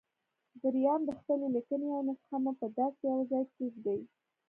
درېيم د خپلې ليکنې يوه نسخه مو په داسې يوه ځای کېږدئ.